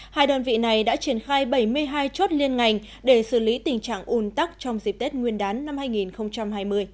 hai đơn vị này đã triển khai bảy mươi hai chốt liên ngành để xử lý tình trạng ùn tắc trong dịp tết nguyên đán năm hai nghìn hai mươi